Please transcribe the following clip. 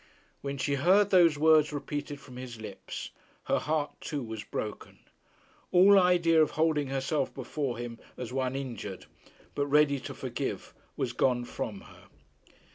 When she heard those words repeated from his lips, her heart too was broken. All idea of holding herself before him as one injured but ready to forgive was gone from her.